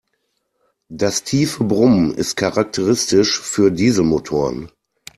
Das tiefe Brummen ist charakteristisch für Dieselmotoren.